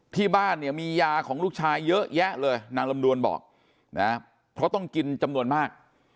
ที่บ้านเนี่ยมียาของลูกชายเยอะแยะเลยนางลำดวนบอกนะเพราะต้องกินจำนวนมาก